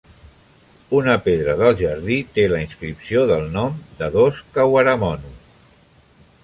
Una pedra del jardí té la inscripció del nom de dos "kawaramono".